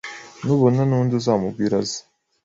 nubona nundi uzamubwire aze